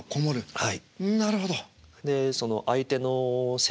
はい。